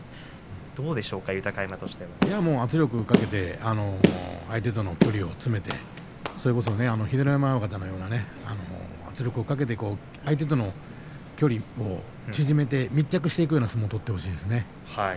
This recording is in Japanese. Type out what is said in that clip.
どうですか、豊山としては。圧力をかけて相手との距離を詰めて秀ノ山親方のような圧力をかける相手との距離を縮めて密着していくような相撲を取ってほしいですね。